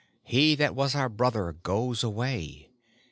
He that was our Brother goes away.